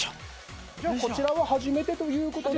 こちらは初めてということで。